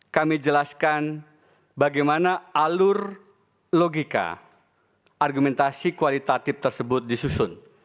kami jelaskan bagaimana alur logika argumentasi kualitatif tersebut disusun